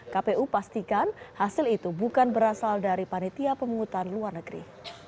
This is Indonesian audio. kpu pastikan hasil itu bukan berasal dari panitia pemungutan luar negeri